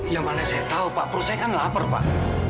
ya mana saya tahu pak perut saya kan lapar pak